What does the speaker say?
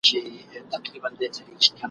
د مېرمني چي بینا سوې دواړي سترګي ..